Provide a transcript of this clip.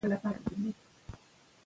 که قید وي نو وخت نه ورکېږي.